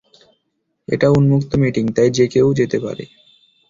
এটা উন্মুক্ত মিটিং, তাই যে কেউ যেতে পারে।